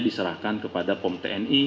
diserahkan kepada pom tni